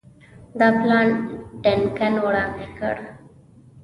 دا پلان ډنکن وړاندي کړ.